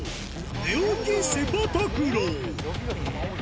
寝起きセパタクロー。